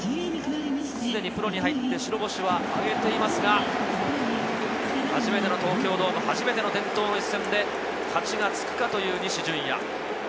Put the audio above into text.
すでにプロに入って白星は挙げていますが、初めての東京ドーム、初めての伝統の一戦で勝ちがつくかという西純矢。